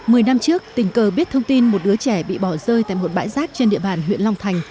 mười năm trước tình cờ biết thông tin một đứa trẻ bị bỏ rơi tại một bãi rác trên địa bàn huyện long thành